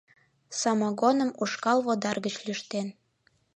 САМОГОНЫМ УШКАЛ ВОДАР ГЫЧ ЛӰШТЕН